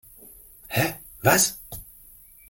Hä, was?